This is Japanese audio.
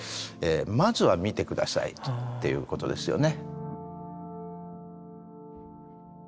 まずは見て下さいっていうことですよね。